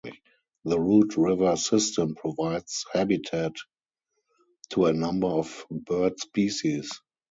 The Root River system provides habitat to a number of bird species.